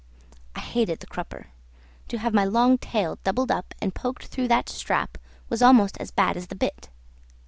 I hated the crupper; to have my long tail doubled up and poked through that strap was almost as bad as the bit.